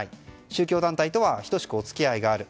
宗教団体とは等しくお付き合いがある。